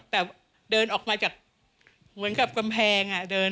แต่เดินออกมาจากเหมือนกับกำแพงเดิน